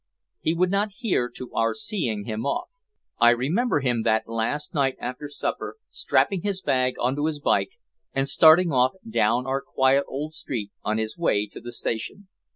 He would not hear to our seeing him off. I remember him that last night after supper strapping his bag onto his bike and starting off down our quiet old street on his way to the station.